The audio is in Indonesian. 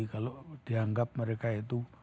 kalau dianggap mereka itu